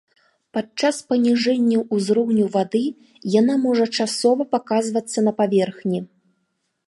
Падчас паніжэнняў узроўню вады яна можа часова паказвацца на паверхні.